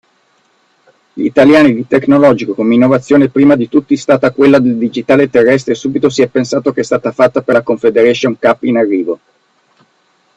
Gli italiani di tecnologico come innovazione prima di tutti stata quella del digitale terrestre e subito si è pensato che è stata fatta per la Confederation Cup in arrivo